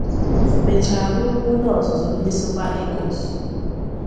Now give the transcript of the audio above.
mecha bụrụkwa onye ọzụzụ ndị Super Eagles